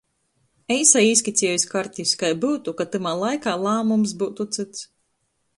Eisai īskicieju iz kartis, kai byutu, ka tymā laikā lāmums byutu cyts.